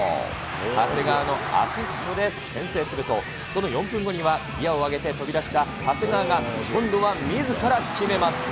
長谷川のアシストで先制すると、その４分後にはギアを上げて飛び出した長谷川が、今度はみずから決めます。